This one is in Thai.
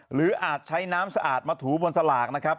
อาจใช้น้ำสะอาดมาถูบนสลากนะครับ